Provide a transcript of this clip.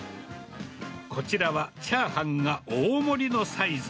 こちらはチャーハンが大盛りのサイズ。